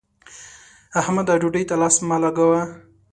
احمده! ډوډۍ ته لاس مه لګوه.